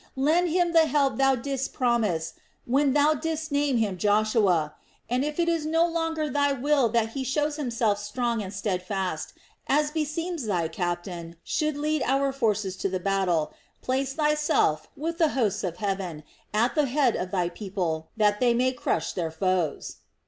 Lend him the help Thou didst promise, when Thou didst name him Joshua! And if it is no longer Thy will that he who shows himself strong and steadfast, as beseems Thy captain, should lead our forces to the battle, place Thyself, with the hosts of Heaven, at the head of Thy people, that they may crush their foes."